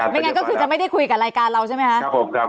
ไม่งั้นก็คือจะไม่ได้คุยกับรายการเราใช่ไหมครับผมครับ